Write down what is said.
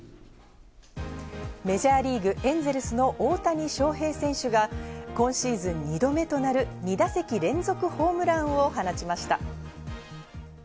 メジャーリーグ、エンゼルスの大谷翔平選手が今シーズン２度目となる２打席連続ホームランを放ちました。